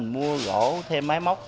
mua gỗ thêm máy móc